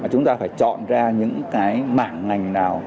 chúng ta phải chọn ra những cái mảng ngành nào